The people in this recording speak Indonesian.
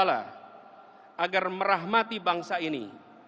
agar merahmati bangsa ini